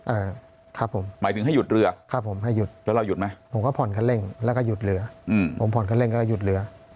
อ่าครับผมหมายถึงให้หยุดเรือครับผมให้หยุดแล้วเราหยุดไหมผมก็ผ่อนคันเร่งแล้วก็หยุดเรืออืมผมผ่อนคันเร่งก็หยุดเรือ